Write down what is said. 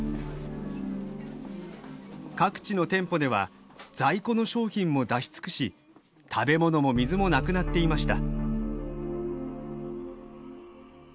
各地の店舗では在庫の商品も出し尽くし食べ物も水もなくなっていました。